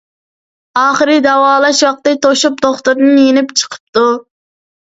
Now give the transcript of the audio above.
ئاخىرى داۋالاش ۋاقتى توشۇپ دوختۇردىن يېنىپ چىقىپتۇ.